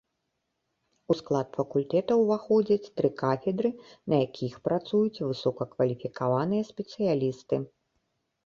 У склад факультэта ўваходзяць тры кафедры, на якіх працуюць высокакваліфікаваныя спецыялісты.